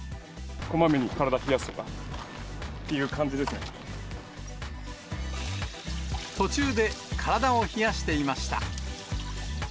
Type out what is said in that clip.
こまめに体冷やすとかってい途中で体を冷やしていました。